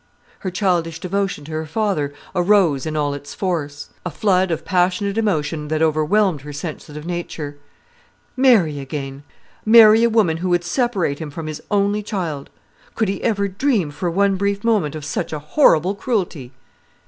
Her childish devotion to her father arose in all its force; a flood of passionate emotion that overwhelmed her sensitive nature. Marry again! marry a woman who would separate him from his only child! Could he ever dream for one brief moment of such a horrible cruelty?